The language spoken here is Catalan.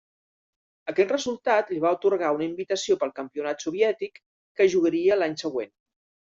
Aquest resultat li va atorgar una invitació pel Campionat soviètic que es jugaria l'any següent.